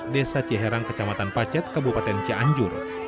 desa ciherang kecamatan pacet kabupaten cianjur